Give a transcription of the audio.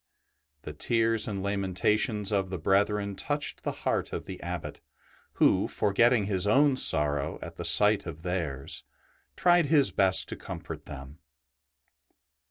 The tears and lamentations of the brethren touched the heart of the Abbot, who, for getting his own sorrow at the sight of theirs, tried his best to comfort them.